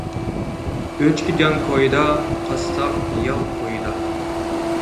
ئۆچكە جان كويىدا، قاسساپ ياغ كويىدا.